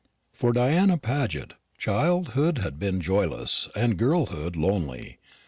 For Diana Paget, childhood had been joyless, and girlhood lonely.